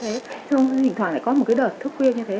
thông thường thỉnh thoảng lại có một cái đợt thức khuya như thế